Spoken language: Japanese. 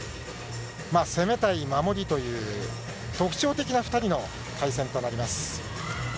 攻め対守りという特徴的な２人の対戦となります。